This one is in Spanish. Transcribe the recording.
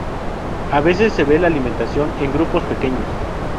A veces se ve la alimentación en grupos pequeños.